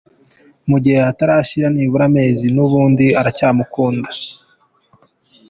Mu gihe hatarashira nibura amezi , n’ubundi aracyamukunda.